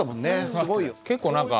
すごいよ。